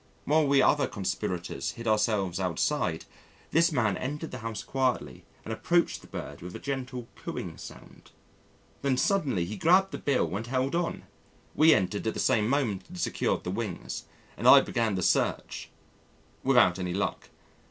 While we other conspirators hid ourselves outside, this man entered the house quietly and approached the bird with a gentle cooing sound. Then suddenly he grabbed the bill and held on. We entered at the same moment and secured the wings, and I began the search without any luck.